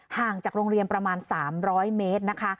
ห่างจากโรงเรียนประมาณ๓๐๐เมตรนะคะ